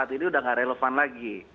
ini sudah tidak relevan lagi